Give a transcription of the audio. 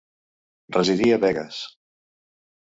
Residí a Begues.